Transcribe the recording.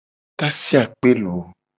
Tasi akpe looo.